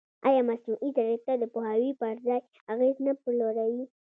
ایا مصنوعي ځیرکتیا د پوهاوي پر ځای اغېز نه پلوري؟